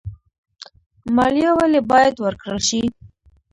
مالیه ولې باید ورکړل شي؟